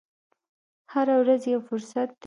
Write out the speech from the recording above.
هره ورځ یو فرصت دی.